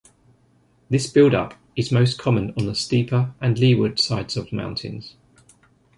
This build-up is most common on the steeper and leeward sides of mountains.